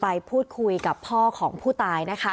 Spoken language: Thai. ไปพูดคุยกับพ่อของผู้ตายนะคะ